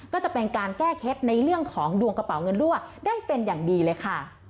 ก็จะเป็นการแก้เคล็ดในเรื่องของดวงกระเป๋าเงินรั่วได้เป็นอย่างดีเลยค่ะ